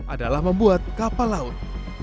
adalah membuat kapal laut